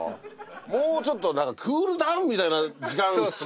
もうちょっと何かクールダウンみたいな時間作れよ。